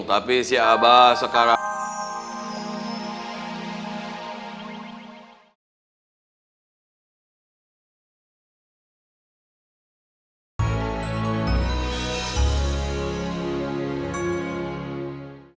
tapi si abah sekarang